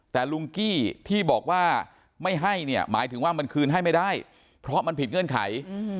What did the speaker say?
แต่ลุงกี้ที่บอกว่าไม่ให้เนี่ยหมายถึงว่ามันคืนให้ไม่ได้เพราะมันผิดเงื่อนไข